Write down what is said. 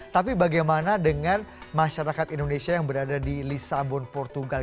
tapi bagaimana dengan masyarakat indonesia yang berada di lisabon portugal